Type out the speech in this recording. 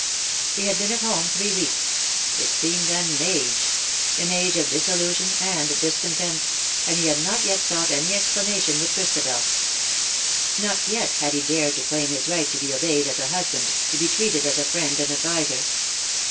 He had been at home three weeks — it seemed an age — an age of disillusion and discontent — and he had not yet sought any explanation with Christabel. Not yet had he dared to claim his right to be obeyed as a husband, to be treated as a friend and adviser.